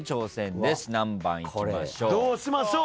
何番いきましょう？